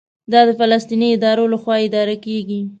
دا د فلسطیني ادارې لخوا اداره کېږي.